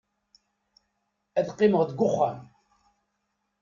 Ad qqimeɣ deg uxxam.